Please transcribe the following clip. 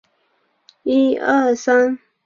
王尧臣人。